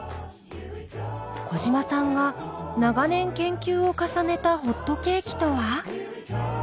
小嶋さんが長年研究を重ねたホットケーキとは？